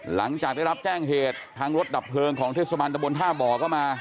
หลังจากได้รับแจ้งเหตุทางรถดับเพลิงของเทศบาลตะบนท่าบ่อก็มา